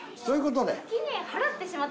そういうことで。